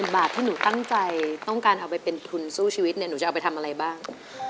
บาทที่หนูตั้งใจต้องการเอาไปเป็นทุนสู้ชีวิตเนี่ยหนูจะเอาไปทำอะไรบ้าง